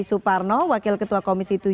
suparno wakil ketua komisi tujuh